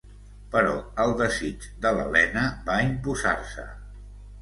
Però el desig de l'Helena va imposar-se.